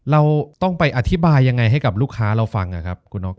เราต้องไปอธิบายยังไงให้กับลูกค้าเราฟังครับคุณน็อก